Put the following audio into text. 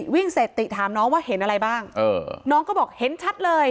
วิ่งเสร็จติถามน้องว่าเห็นอะไรบ้างน้องก็บอกเห็นชัดเลย